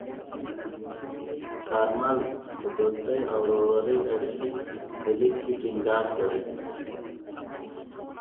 کارمل د دوستۍ او ورورولۍ اړیکې په لیک کې ټینګار کړې.